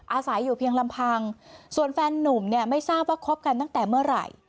อาศัยอยู่เพียงลำพังส่วนแฟนนุ่มเนี่ยไม่ทราบว่าคบกันตั้งแต่เมื่อไหร่